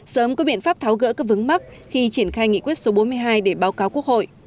sớm có biện pháp tháo gỡ các vướng mắc khi triển khai nghị quyết số bốn mươi hai để báo cáo quốc hội